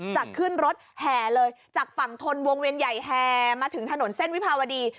จะขึ้นรถแห่เลยจากฝั่งทนวงเวียนใหญ่แห่มาถึงถนนเส้นวิภาวดี